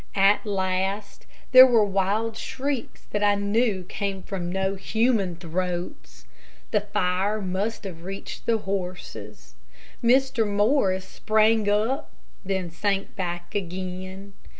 At last there were wild shrieks that I knew came from no human throats. The fire must have reached the horses. Mr. Morris sprang up, then sank back again.